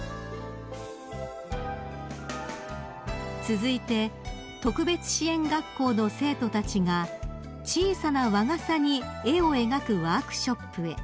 ［続いて特別支援学校の生徒たちが小さな和傘に絵を描くワークショップへ］